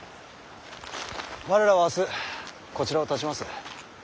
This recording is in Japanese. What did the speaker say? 我らは明日こちらをたちます。